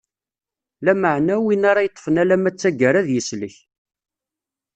Lameɛna, win ara yeṭṭfen alamma d taggara ad yeslek.